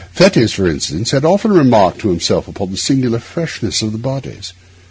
Fettes, for instance, had often remarked to himself upon the singular freshness of the bodies.